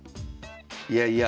いやいや。